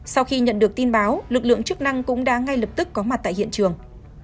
sau khi nhận được tin báo lực lượng chức năng cũng đã ngay lập tức có mặt tại hiện trường